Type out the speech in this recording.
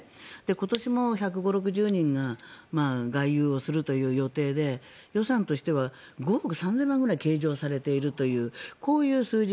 今年も１５０１６０人が外遊をするという予定で予算としては５億３０００万円ぐらい計上されているという数字。